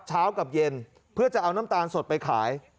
เช้ากับเย็นเพื่อจะเอาน้ำตาลสดไปขาย